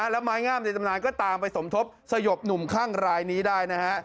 แล้วไม้งามในตำนานก็ตามไปสมทบสยบหนุ่มข้างรายนี้ได้นะฮะ